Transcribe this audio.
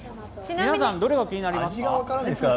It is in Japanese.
皆さん、どれが気になりますか？